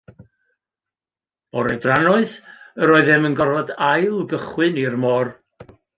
Bore drannoeth yr oeddem yn gorfod ail gychwyn i'r môr.